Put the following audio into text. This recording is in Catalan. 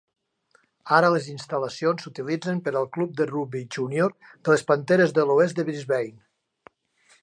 Ara les instal·lacions s'utilitzen per al Club de rugbi júnior de les Panteres de l'oest de Brisbane.